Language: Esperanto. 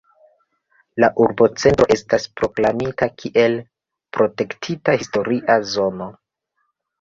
La urbocentro estas proklamita kiel protektita historia zono.